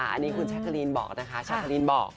อันนี้คุณชาคารินบอกนะคะชาคารินบอก